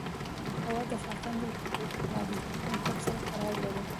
هوا د افغانستان د تکنالوژۍ پرمختګ سره تړاو لري.